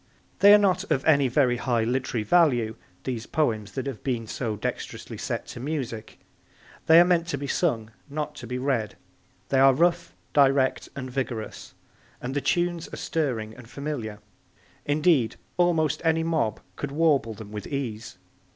They are not of any very high literary value, these poems that have been so dexterously set to music. They are meant to be sung, not to be read. They are rough, direct and vigorous, and the tunes are stirring and familiar. Indeed, almost any mob could warble them with ease.